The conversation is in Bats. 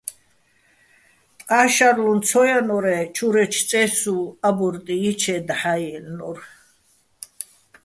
ტყა́ შარლუჼ ცო ჲანო́რე́, ჩურეჩო̆ წე́სივ აბორტ ჲიჩე, დაჰ̦ა́ ჲაჲლნო́რ.